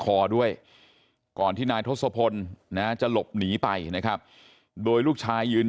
คอด้วยก่อนที่นายทศพลนะจะหลบหนีไปนะครับโดยลูกชายยืน